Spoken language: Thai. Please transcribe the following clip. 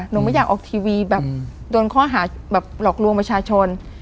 ไม่อยากออกทีวีแบบโดนข้อหาแบบหลอกลวงประชาชน